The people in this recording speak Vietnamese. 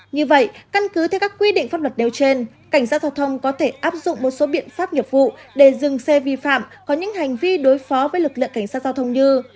như vậy căn cứ theo các quy định pháp luật đều trên cảnh sát giao thông có thể áp dụng một số biện pháp nghiệp vụ để dừng xe vi phạm có những hành vi đối phó với lực lượng cảnh sát giao thông như